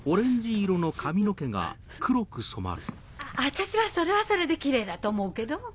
私はそれはそれできれいだと思うけど。